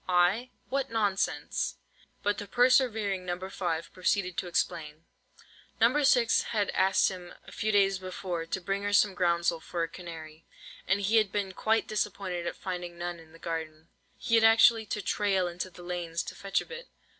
"I? What nonsense!" But the persevering No. 5 proceeded to explain. No. 6 had asked him a few days before to bring her some groundsel for her canary, and he had been quite disappointed at finding none in the garden. He had actually to "trail" into the lanes to fetch a bit.